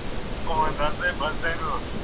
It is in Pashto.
په لوی لاس می ځان کنډول ژوند می تالا کړ ..